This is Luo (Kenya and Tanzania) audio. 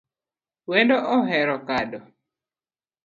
Wendo ohero kado